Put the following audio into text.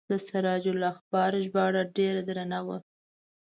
د سراج الاخبار ژباړه ډیره درنه وه.